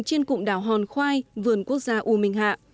trên cụm đảo hòn khoai vườn quốc gia u minh hạ